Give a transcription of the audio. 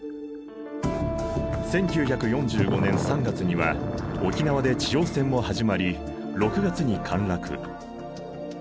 １９４５年３月には沖縄で地上戦も始まり６月に陥落。